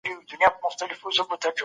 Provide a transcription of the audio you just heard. تیروتنې باید تکرار نشي.